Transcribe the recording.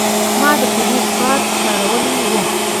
ما د پیرود کارت کارولی و.